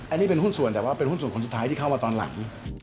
อันนี้เป็นหุ้นส่วนแต่ว่าเป็นหุ้นส่วนคนสุดท้ายที่เข้ามาตอนหลัง